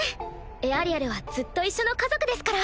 エアリアルはずっと一緒の家族ですから。